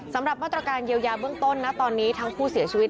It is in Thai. สำหรับมาตรการเยียวยาเบื้องต้นนะตอนนี้ทั้งผู้เสียชีวิต